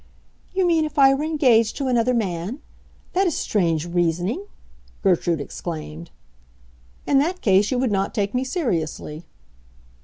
"You mean if I were engaged to another man? That is strange reasoning!" Gertrude exclaimed. "In that case you would not take me seriously."